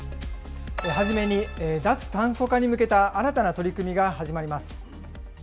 初めに脱炭素化に向けた新たな取り組みが始まります。